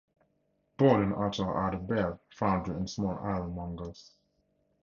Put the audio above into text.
Borden also had a bell foundry and small ironmongers.